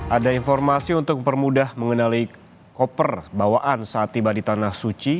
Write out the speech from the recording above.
ada informasi untuk mempermudah mengenali koper bawaan saat tiba di tanah suci